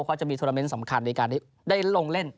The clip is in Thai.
เขาจะมีโทรเมนต์สำคัญในการได้ลงเล่น